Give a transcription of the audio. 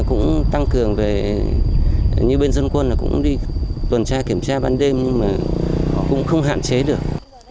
cũng tăng cường về như bên dân quân cũng đi tuần tra kiểm tra ban đêm nhưng mà cũng không hạn chế được